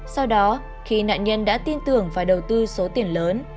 sau đó khi nạn nhân đã tin tưởng và đầu tư số tiền lớn